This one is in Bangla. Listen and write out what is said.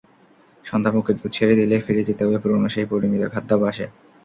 সন্তান বুকের দুধ ছেড়ে দিলেই ফিরে যেতে হবে পুরোনো সেই পরিমিত খাদ্যাভ্যাসে।